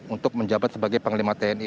untuk menjabat sebagai panglima tni